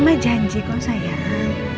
mama janji kok sayang